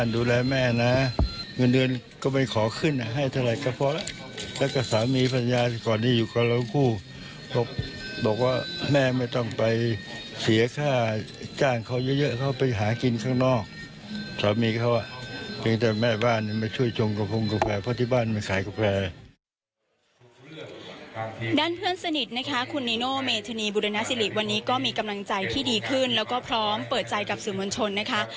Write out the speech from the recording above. เพื่อนสนิทนะคะคุณนีโนเมธานีบุรณสิริวันนี้ก็มีกำลังใจที่ดีขึ้นแล้วก็พร้อมเปิดใจกับสื่อมวลชนนะคะ